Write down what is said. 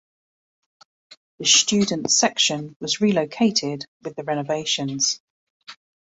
The student section was relocated with the renovations.